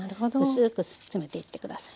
薄く詰めていって下さい。